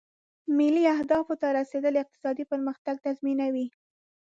مالي اهدافو ته رسېدل اقتصادي پرمختګ تضمینوي.